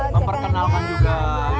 buat memperkenalkan juga